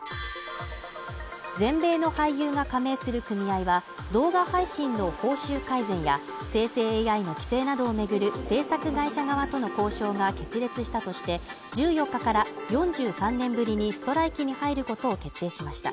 全米の俳優が加盟する組合は、動画配信の報酬改善や生成ＡＩの規制などを巡る制作会社側との交渉が決裂したとして、１４日から４３年ぶりにストライキに入ることを決定しました。